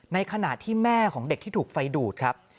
ในขณะที่แม่ของเด็กที่ถูกไฟดูดครับ